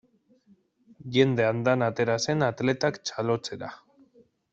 Jende andana atera zen atletak txalotzera.